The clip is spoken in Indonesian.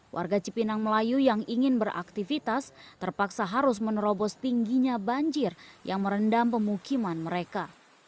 warga cipinang melayu yang ingin beraktivitas terpaksa harus menerobos tingginya banjir yang merendam pemukiman mereka